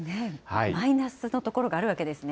マイナスの所があるわけですね。